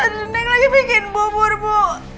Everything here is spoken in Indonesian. nenek lagi bikin bubur bu